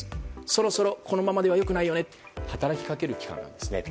そろそろこのままでは良くないよねと働きかける期間なんですね。